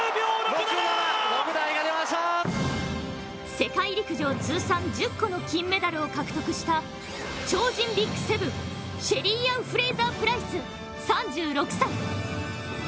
世界陸上通算１０個の金メダルを獲得した超人ＢＩＧ７、シェリーアン・フレイザープライス３６歳。